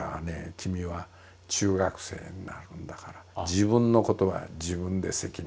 君は中学生になるんだから自分のことは自分で責任を取りなさい。